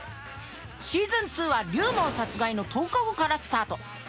シーズン２は龍門殺害の１０日後からスタート。